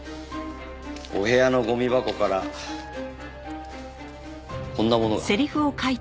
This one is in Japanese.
お部屋のゴミ箱からこんなものが。